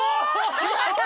きました！